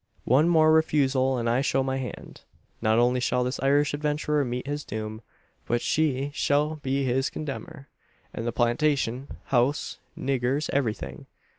One more refusal, and I show my hand. Not only shall this Irish adventurer meet his doom; but she shall be his condemner; and the plantation, house, niggers, everything